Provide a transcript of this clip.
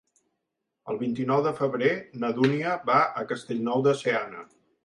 El vint-i-nou de febrer na Dúnia va a Castellnou de Seana.